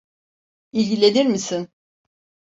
İlgilenir misin?